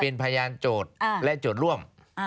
เป็นพยานจดและจดร่วม